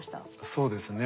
そうですね。